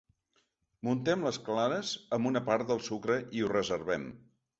Muntem les clares amb una part del sucre i ho reservem.